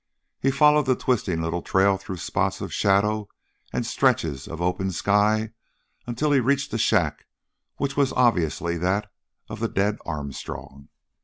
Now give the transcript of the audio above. He followed the twisting little trail through spots of shadow and stretches of open sky until he reached the shack which was obviously that of the dead Armstrong.